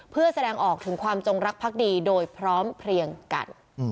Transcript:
เพื่อแสดงออกถึงความจงรักภักดีโดยพร้อมเพลียงกัน